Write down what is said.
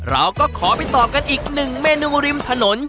เราก็ขอไปต่อกันอีกหนึ่งเมนูริมถนน